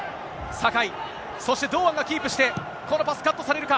酒井、そして堂安がキープして、このパスカットされるか。